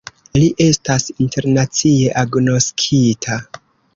Li estas internacie agnoskita.